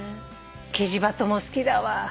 キジバトも好きだわ。